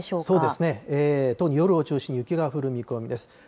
そうですね、夜を中心に雪が降る見込みです。